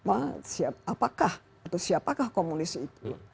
apakah atau siapakah komunisi itu